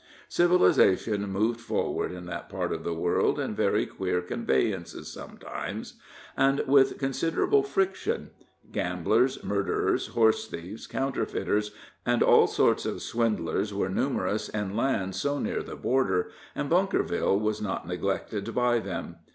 Civilization moved forward in that part of the world in very queer conveyances sometimes, and with considerable friction. Gamblers, murderers, horse thieves, counterfeiters, and all sorts of swindlers, were numerous in lands so near the border, and Bunkerville was not neglected by them.